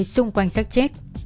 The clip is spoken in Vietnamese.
xung quanh sát chết